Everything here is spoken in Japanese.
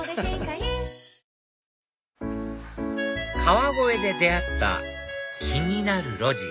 川越で出会った気になる路地